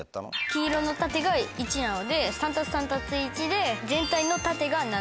黄色の縦が１なので３＋３＋１で全体の縦が７。